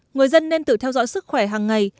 người dân nên tự theo dõi sức khỏe hàng ngày